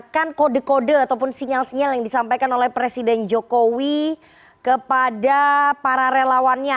kan kode kode ataupun sinyal sinyal yang disampaikan oleh presiden jokowi kepada para relawannya